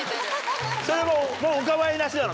それももうお構いなしなの？